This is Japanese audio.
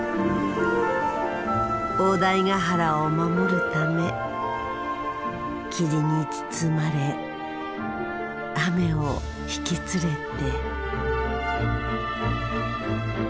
大台ヶ原を守るため霧に包まれ雨を引き連れて。